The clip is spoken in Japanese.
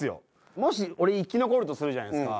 もし俺生き残るとするじゃないですか。